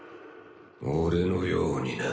俺のようにな。